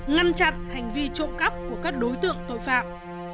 ngăn chặn hành vi trộm cắp của các đối tượng tội phạm